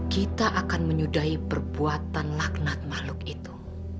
kita akan menyudahi perbuatan laknat makhluk itu